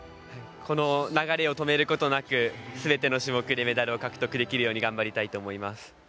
この流れを止めることなく全ての種目でメダルを獲得できるように頑張りたいと思います。